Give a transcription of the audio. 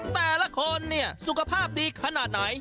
แต่ละคนเนี่ยสุขภาพดีขนาดไหน